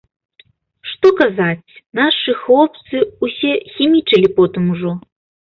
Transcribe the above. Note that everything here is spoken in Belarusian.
Што казаць, нашы хлопцы ўсе хімічылі потым ужо.